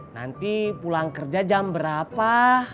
nanti pulang kerja jam berapa